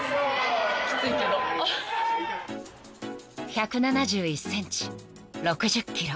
［１７１ｃｍ６０ｋｇ］